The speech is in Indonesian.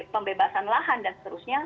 pembebasan lahan dan seterusnya